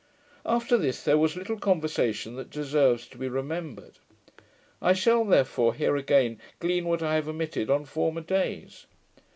After this there was little conversation that deserves to be remembered. I shall therefore here again glean what I have omitted on former days.